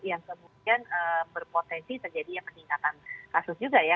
yang kemudian berpotensi terjadinya peningkatan kasus juga ya